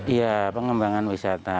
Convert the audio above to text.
ya pengembangan wisata